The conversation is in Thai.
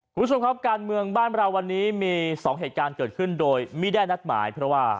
คุณผู้ชมครับการเมืองบ้านเราวันนี้มี๒เหตุการณ์เกิดขึ้นโดยไม่ได้นัดหมายเพราะว่า